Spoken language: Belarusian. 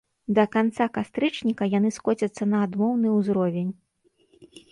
Да канца кастрычніка яны скоцяцца на адмоўны ўзровень.